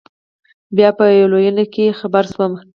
بيا په لوېينه کښې خبر سوم.